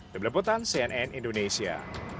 sebelum putan cnn indonesia